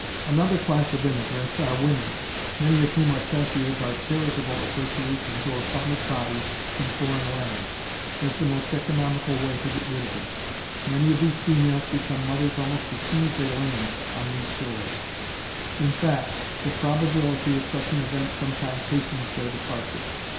Another class of immigrants are women, many of whom are sent here by charitable (?) associations or public bodies in foreign lands, as the most economical way to get rid of them. Many of these females become mothers almost as soon as they land on these shores; in fact, the probability of such an event sometimes hastens their departure.